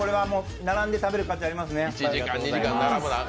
並んで食べる価値ありますね。